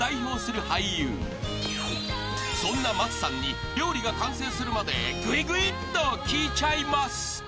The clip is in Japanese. ［そんな松さんに料理が完成するまでぐいぐいっと聞いちゃいます］